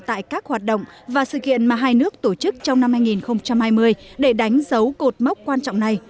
tại các hoạt động và sự kiện mà hai nước tổ chức trong năm hai nghìn hai mươi để đánh dấu cột mốc quan trọng này